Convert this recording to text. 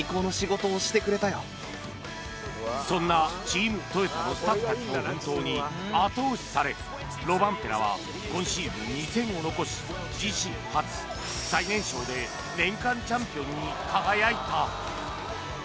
そんなチームトヨタのスタッフたちの奮闘に後押しされロバンペラは今シーズン２戦を残し自身初、最年少で年間チャンピオンに輝いた！